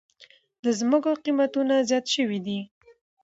د زمکو قيمتونه زیات شوي دي